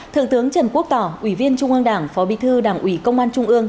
thượng tướng trần quốc tỏ ủy viên trung ương đảng phó bí thư đảng ủy công an trung ương